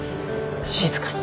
静かに。